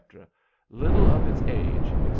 "little of its age," etc.